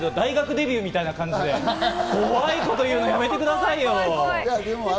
大学デビューみたいな感じで、怖いこと言うのやめてくださいよ。